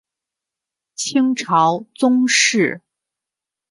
清朝宗室。